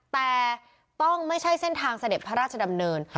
แต่ต้องไม่ใช่เส้นทางเสด็จพระราชดำเนิน